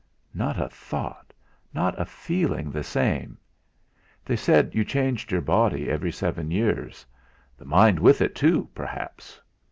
Not a thought, not a feeling the same! They said you changed your body every seven years. The mind with it, too, perhaps!